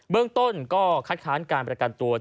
เมืองต้นก็คัดค้านการประกันตัว